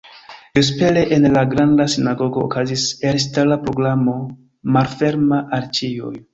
Vespere en la Granda Sinagogo okazis elstara programo malferma al ĉiuj.